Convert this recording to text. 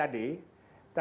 tadi kalau yang pertama